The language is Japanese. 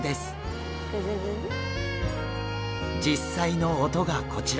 実際の音がこちら。